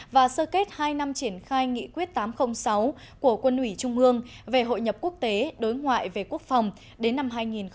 và sơ kết hai năm triển khai nghị quyết tám trăm linh sáu của quân ủy trung ương về hội nhập quốc tế đối ngoại về quốc phòng đến năm hai nghìn hai mươi